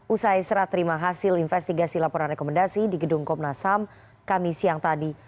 usai serah terima hasil investigasi laporan rekomendasi di gedung komnas ham kami siang tadi